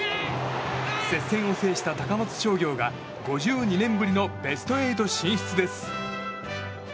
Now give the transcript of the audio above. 接戦を制した高松商業が５２年ぶりのベスト８進出です。